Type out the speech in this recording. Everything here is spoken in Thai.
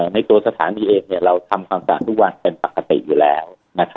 ในตัวสถานีเองเราทำความสะอาดทุกวันเป็นปกติอยู่แล้ว